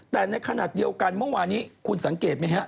แต่ในขณะเดียวกันเมื่อวานี้คุณสังเกตไหมฮะ